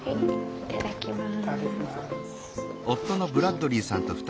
いただきます。